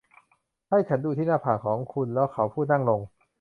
ให้ฉันดูที่หน้าผากของคุณเขาพูดแล้วนั่งลง